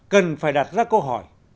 cần phải đặt ra câu hỏi